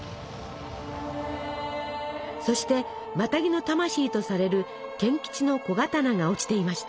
そしてマタギの魂とされる賢吉の小刀が落ちていました。